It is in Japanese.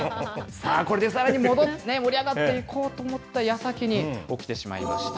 さあこれで、さらに盛り上がっていこうと思ったやさきに、起きてしまいました。